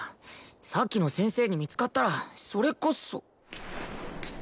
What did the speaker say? さっきの先生に見つかったらそれこそ。